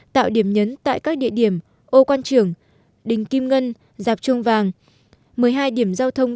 tạo điểm nhấn tại các địa điểm ô quan trưởng đình kim ngân giạp trung vàng một mươi hai điểm giao thông